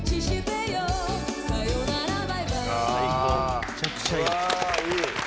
めちゃくちゃいい。